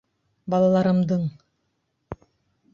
Балаларымдың!